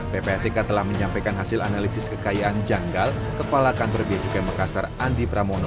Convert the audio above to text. ppatk telah menyampaikan hasil analisis kekayaan janggal kepala kantor bia cukai makassar andi pramono kepada andi pramono